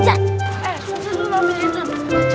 eh susah susah beli beli